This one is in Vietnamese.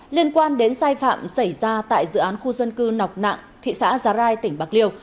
liên quan đến sai phạm xảy ra tại dự án khu dân cư nọc nạng thị xã giá rai tỉnh bạc liêu